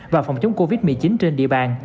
và phòng chống covid một mươi chín trên địa bàn